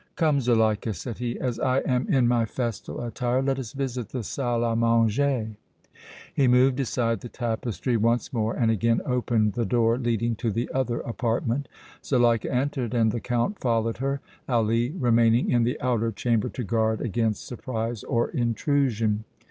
"Come, Zuleika," said he, "as I am in my festal attire let us visit the salle à manger!" He moved aside the tapestry once more and again opened the door leading to the other apartment. Zuleika entered and the Count followed her, Ali remaining in the outer chamber to guard against surprise or intrusion.